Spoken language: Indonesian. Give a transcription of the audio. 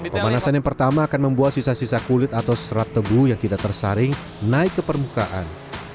pemanasan yang pertama akan membuat sisa sisa kulit atau serat tebu yang tidak tersaring naik ke permukaan